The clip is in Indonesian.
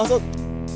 eh ini dia